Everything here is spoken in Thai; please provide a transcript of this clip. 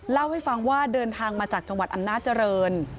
เล่าให้ฟังว่าเดินทางมาจากจังหวัดอำนาจริง